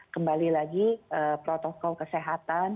kembali lagi protokol kesehatan